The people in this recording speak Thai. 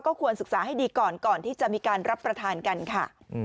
ควรศึกษาให้ดีก่อนก่อนที่จะมีการรับประทานกันค่ะ